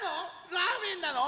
ラーメンなの？